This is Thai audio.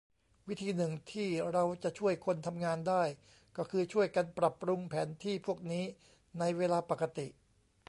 วิธีหนึ่งที่เราจะช่วยคนทำงานได้ ก็คือช่วยกันปรับปรุงแผนที่พวกนี้ในเวลาปกติ